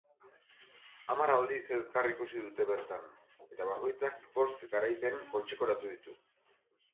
Hamar aldiz elkar ikusi dute bertan, eta bakoitzak bost garaipen poltsikoratu ditu.